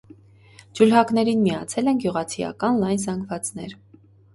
Ջուլհակներին միացել են գյուղացիական լայն զանգվածներ։